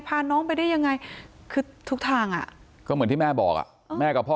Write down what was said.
พาน้องไปได้ยังไงคือทุกทางอ่ะก็เหมือนที่แม่บอกอ่ะแม่กับพ่อ